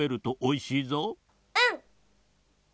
うん！